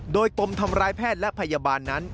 โดยปมทำร้ายแพทย์และพยาบาลนั้น